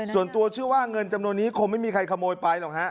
ส่วนตัวเชื่อว่าเงินจำนวนนี้คงไม่มีใครขโมยไปหรอกฮะ